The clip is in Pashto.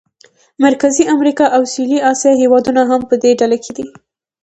مرکزي امریکا او سویلي اسیا هېوادونه هم په دې ډله کې دي.